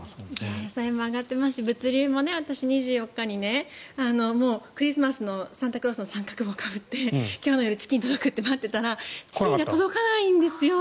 野菜も上がってますし物流も私、２４日にクリスマスのサンタクロースの三角帽をかぶって今日の夜、チキン届くって待ってたらチキンが届かないんですよ。